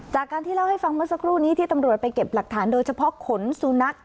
จากการที่เล่าให้ฟังเมื่อสักครู่นี้ที่ตำรวจไปเก็บหลักฐานโดยเฉพาะขนสุนัข